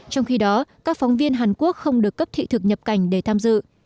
trong khi đó các phóng viên hàn quốc không được cấp thị thực nhập cảnh để tham dự